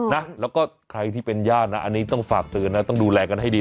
นะแล้วก็ใครที่เป็นญาตินะอันนี้ต้องฝากเตือนนะต้องดูแลกันให้ดี